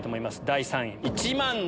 第３位。